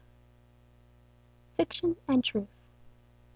FICTION AND TRUTH.